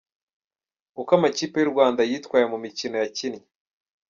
Uko amakipe y’u Rwanda yitwaye mu mikino yakinnye:.